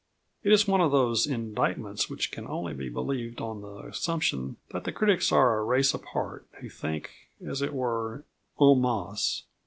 It is one of those indictments which can only be believed on the assumption that the critics are a race apart who think, as it were, en masse.